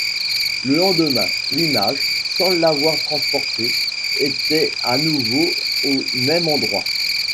Le lendemain, l'image, sans l'avoir transporté, était à nouveau au même endroit.